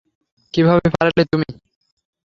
কিভাবে পারলে তুমি?